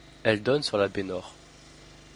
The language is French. Elle donne sur la baie Nord.